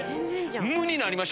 無になりました！